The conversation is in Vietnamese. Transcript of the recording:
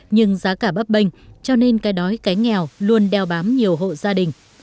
nhưng giá cả bắp bình cho nên cái đói cái nghèo luôn đeo bám nhiều hộ gia đình